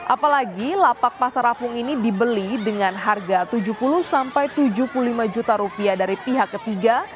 apalagi lapak pasar apung ini dibeli dengan harga tujuh puluh sampai tujuh puluh lima juta rupiah dari pihak ketiga